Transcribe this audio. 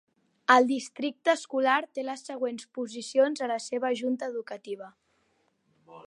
El districte escolar té les següents posicions a la seva Junta educativa.